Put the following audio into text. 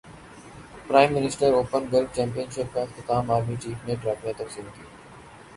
prime minister open golf championship کا اختتام army chief نے ٹرافیاں تقسیم کیں